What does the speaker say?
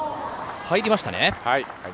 入りましたね。